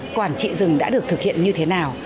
quản trị rừng đã được thực hiện như thế nào